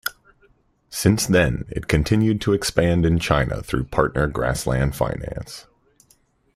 Since then, it continued to expand in China through partner Grassland Finance.